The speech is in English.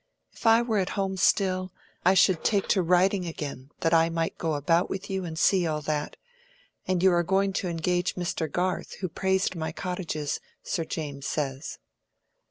"If I were at home still, I should take to riding again, that I might go about with you and see all that! And you are going to engage Mr. Garth, who praised my cottages, Sir James says."